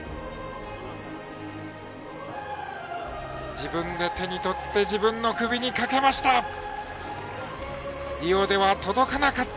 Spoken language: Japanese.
自分で手に取って自分の首にかけました。